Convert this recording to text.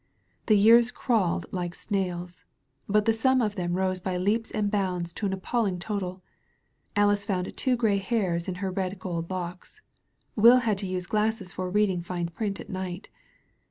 The years crawled like snails. But the sum of them rose by leaps and bounds to an appalling total. Alice found two grey hairs in her red gold locks. Will had to use glasses for reading fine print at night.